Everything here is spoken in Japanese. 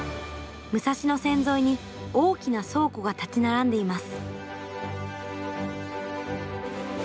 武蔵野線沿いに大きな倉庫が立ち並んでいます。